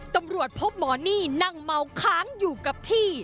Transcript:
ตำรวจพบหมอนี่นั่งเมาค้างอยู่กับที่